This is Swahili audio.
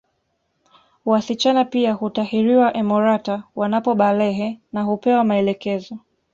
Wasichana pia hutahiriwa emorata wanapobalehe na hupewa maelekezo